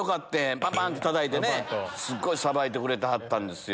ぱぱんってたたいてね、すごいさばいてくれてはったんですよ。